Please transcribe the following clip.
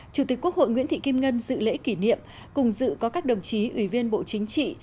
chủ tịch quốc hội nguyễn thị kim ngân dự lễ kỷ niệm cùng dự có các đồng chí ủy viên bộ chính trị